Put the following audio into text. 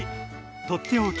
「とっておき！